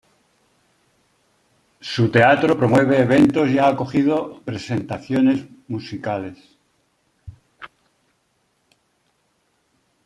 Su teatro promueve eventos y ha acogido presentaciones musicales.